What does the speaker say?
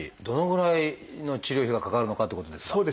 どのぐらいの治療費がかかるのかってことですが。